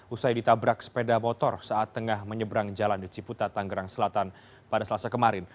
usai ditabrak sepeda motor saat tengah menyeberang jalan di ciputa tanggerang selatan pada selasa kemarin